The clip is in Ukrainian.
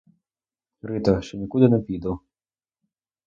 Рито, що нікуди не піду.